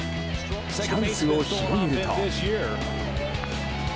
チャンスを広げると。